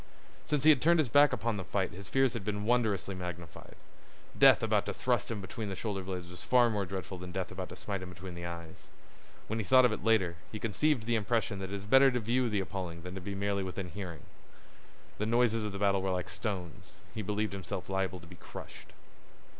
Since he had turned his back upon the fight his fears had been wondrously magnified. Death about to thrust him between the shoulder blades was far more dreadful than death about to smite him between the eyes. When he thought of it later, he conceived the impression that it is better to view the appalling than to be merely within hearing. The noises of the battle were like stones; he believed himself liable to be crushed.